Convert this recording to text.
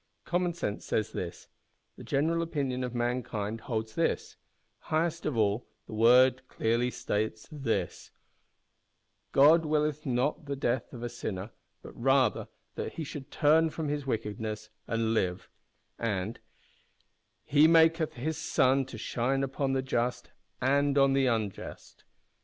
Common sense says this; the general opinion of mankind holds this; highest of all, the Word clearly states this: "God willeth not the death of a sinner, but rather that he should turn from his wickedness and live;" and, "He maketh His sun to shine upon the just and on the unjust."